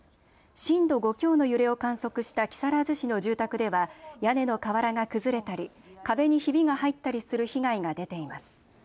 震度５強の揺れを観測した木更津市の住宅では屋根の瓦が崩れたり、壁にひびが入ったりする被害が出ています。